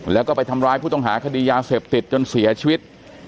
แล้วก็ไปทำร้ายผู้ต้องหาคดียาเสพติดจนเสียชีวิต